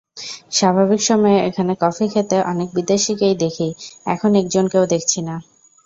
স্বাভাবিক সময়ে এখানে কফি খেতে অনেক বিদেশিকেই দেখি, এখন একজনকেও দেখছি না।